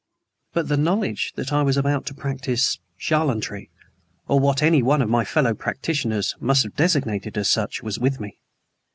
But the knowledge that I was about to practice charlatanry, or what any one of my fellow practitioners must have designated as such, was with me.